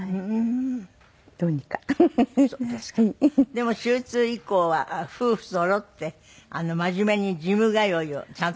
でも手術以降は夫婦そろって真面目にジム通いをちゃんとなすって。